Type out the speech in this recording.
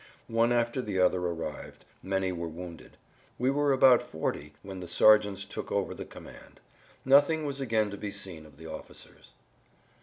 One after the other arrived; many were wounded. We were about forty when the sergeants took over the command. Nothing was again to be seen of the officers.